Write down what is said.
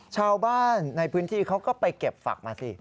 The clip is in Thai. ชาวบ้านในพื้นที่เขาก็ไปเก็บฝักมาสิ